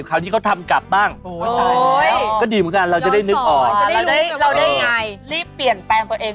คราวนี้เขาทำกลับบ้างโอ้ยตายแล้วก็ดีเหมือนกันเราจะได้นึกออกได้ไงรีบเปลี่ยนแปลงตัวเอง